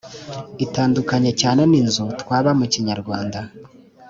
itandukanye cyane n’inzu twabamu kinyarwanda